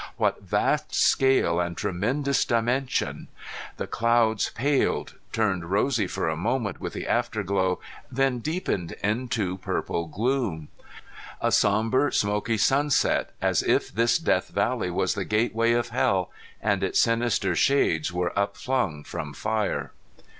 What vast scale and tremendous dimension! The clouds paled, turned rosy for a moment with the afterglow, then deepened into purple gloom. A sombre smoky sunset, as if this Death Valley was the gateway of hell, and its sinister shades were upflung from fire.